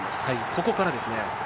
ここからですね。